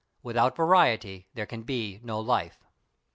#Without variety there can be no life#.